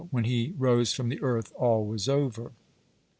When he rose from the earth all was over.